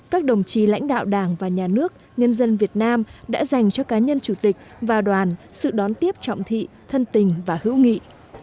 các đồng chí lãnh đạo đảng và nhà nước nhân dân việt nam đã dành cho cá nhân chủ tịch và đoàn sự đón tiếp trọng thị thân tình và hữu nghị